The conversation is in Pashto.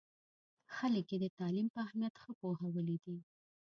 خلک یې د تعلیم په اهمیت ښه پوهولي دي.